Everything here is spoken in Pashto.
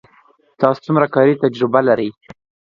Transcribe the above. تاسو څومره کاري تجربه لرئ